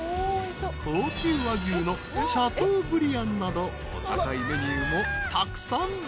［高級和牛のシャトーブリアンなどお高いメニューもたくさん］